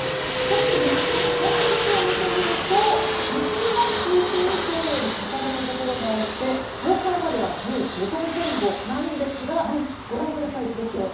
そして日中の最高気温を見てみると西日本中心に今日より高めのところが多くて東海までは１５度前後なんですがご覧ください、東京。